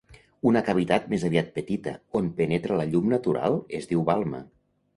Una cavitat més aviat petita, on penetra la llum natural, es diu balma.